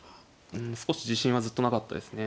少し自信はずっとなかったですね。